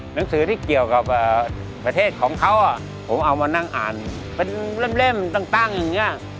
หนังสือที่เกี่ยวกับประเทศของเขาผมเอามานั่งอ่านเป็นเล่มตั้งอย่างนี้